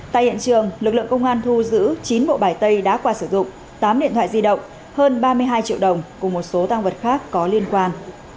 tại hiện trường lực lượng công an thu giữ chín bộ bài tây đã qua sử dụng tám điện thoại di động hơn ba mươi hai triệu đồng cùng một số tăng vật khác có liên quan